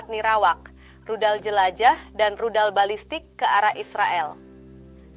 sebelumnya serangan ini menyebutkan keadaan yang menyebabkan perang antara israel dan iran